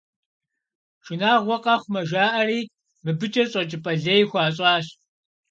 Шынагъуэ къэхъумэ, жаӏэри, мыбыкӏэ щӏэкӏыпӏэ лей хуащӏащ.